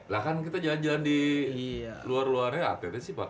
lah kan kita jalan jalan di luar luarnya atletnya sih pakai